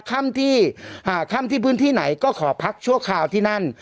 ค่ำที่ค่ำที่พื้นที่ไหนก็ขอพักชั่วคราวที่นั่น